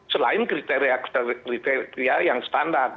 selain kriteria kriteria yang standar